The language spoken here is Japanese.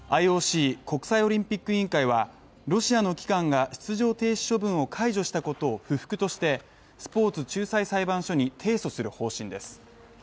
ＩＯＣ＝国際オリンピック委員会は、ロシアの機関が出場停止処分を解除したことを不服としてスポーツ仲裁裁判所に提訴する方針です。